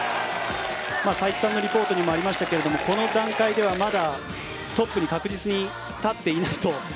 佐伯さんのリポートにもありましたがこの段階ではトップに確実には立っていないと。